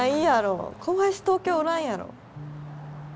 小林東京おらんやろ。